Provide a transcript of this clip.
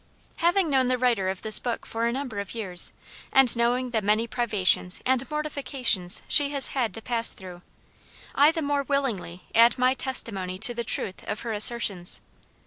Having known the writer of this book for a number of years, and knowing the many privations and mortifications she has had to pass through, I the more willingly add my testimony to the truth of her assertions.